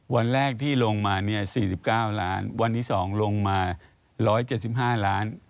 วันแรกที่ลงมาเนี่ย๔๙ล้านวันที่๒ลงมา๑๗๕ล้าน